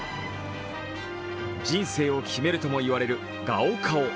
人生を決めるとも言われる高考。